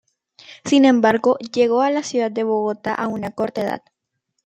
Sin embargo, llegó a la ciudad de Bogotá a una corta edad.